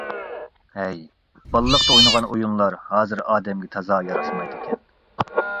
ھەي، بالىلىقتا ئوينىغان ئويۇنلار ھازىر ئادەمگە تازا ياراشمايدىكەن.